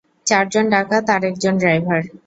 চারজন ডাকাত আর একজন ড্রাইভার।